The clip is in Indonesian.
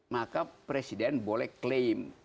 maka presiden boleh claim